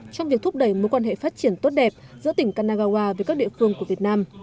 trong việc thúc đẩy mối quan hệ phát triển tốt đẹp giữa tỉnh kanagawa với các địa phương của việt nam